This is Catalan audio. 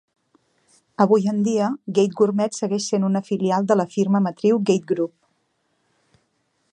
Avui en dia, Gategourmet segueix sent una filial de la firma matriu Gate Group.